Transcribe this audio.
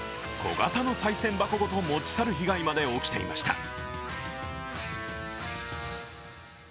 小型のさい銭箱ごと持ち去る被害まで起きていました。